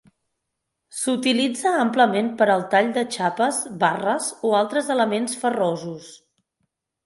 S'utilitza amplament per al tall de xapes, barres o altres elements ferrosos.